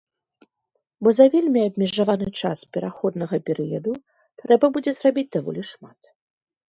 Бо за вельмі абмежаваны час пераходнага перыяду трэба будзе зрабіць даволі шмат.